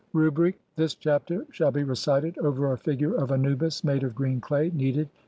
(44) Rubric : this chapter shall be recited over [a figure of] anubis MADE OF GREEN CLAY KNEADED